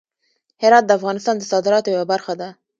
هرات د افغانستان د صادراتو یوه برخه ده.